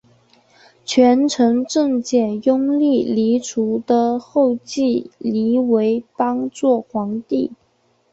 权臣郑检拥立黎除的后裔黎维邦做皇帝。